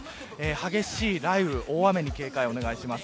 激しい雷雨、大雨に警戒をお願いします。